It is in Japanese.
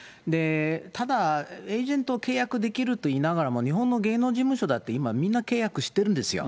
ただ、エージェント契約できると言いながらも、日本の芸能事務所だって今、みんな契約してるんですよ。